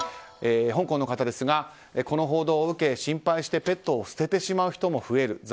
香港の方ですがこの報道を受け心配してペットを捨ててしまう人も増える。